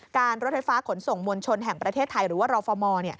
รถไฟฟ้าขนส่งมวลชนแห่งประเทศไทยหรือว่ารฟม